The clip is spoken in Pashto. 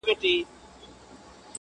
څوك به راسي د ايوب سره ملګري٫